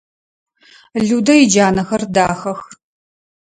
Людэ иджанэхэр дахэх.